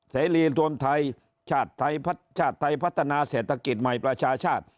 เสรีรวมไทยชาติไทยชาติไทยพัฒนาเศรษฐกิจใหม่ประชาชาติ